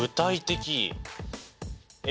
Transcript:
え。